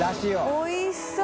おいしそう。